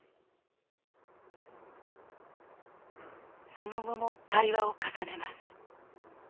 その後も対話を重ねます。